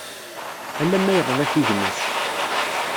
Ala ma yeḍla-t i gma-s.